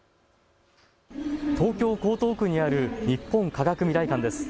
東京江東区にある日本科学未来館です。